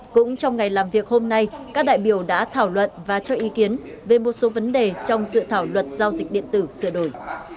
cũng trong ngày làm việc hôm nay các đại biểu đã thảo luận và cho ý kiến về một số vấn đề trong dự thảo luật giao dịch điện tử sửa đổi